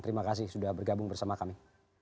terima kasih sudah bergabung bersama kami